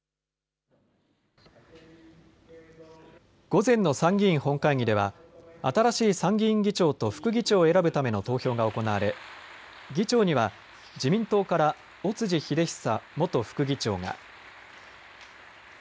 午前の参議院本会議では新しい参議院議長と副議長を選ぶための投票が行われ議長には自民党から尾辻秀久元副議長が。